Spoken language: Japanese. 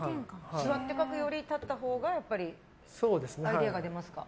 座って書くより立ったほうがアイデアが出ますか？